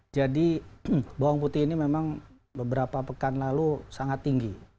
jadi bawang putih ini memang beberapa pekan lalu sangat tinggi